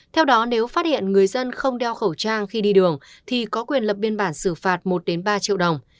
theo đó nếu phát hiện người dân không đeo khẩu trang khi đi đường thì có quyền lập biên bản xử phạt một ba triệu đồng